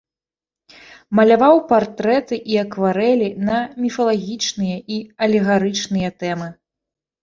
Маляваў партрэты і акварэлі на міфалагічныя і алегарычныя тэмы.